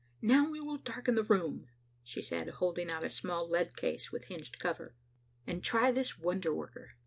"Now we will darken the room," she said, holding out a small lead case with hinged cover, "and try this wonder worker.